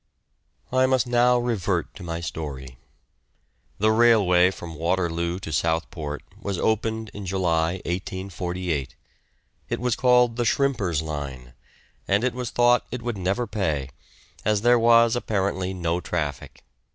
I must now revert to my story. The railway from Waterloo to Southport was opened in July, 1848; it was called the "Shrimpers' Line," and it was thought it would never pay, as there was apparently no traffic.